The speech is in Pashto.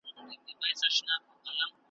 پر توپانو دي مېنه آباده `